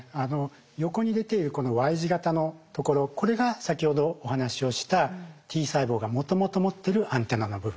横に出ているこのＹ字型のところこれが先ほどお話をしたＴ細胞がもともと持ってるアンテナの部分。